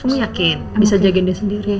kamu yakin bisa jagain dia sendiri